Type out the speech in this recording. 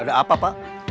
ada apa pak